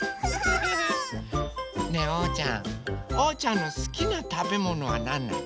ねえおうちゃんおうちゃんのすきなたべものはなんなの？